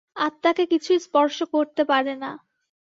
আত্মাকে কিছুই স্পর্শ করতে পারে না।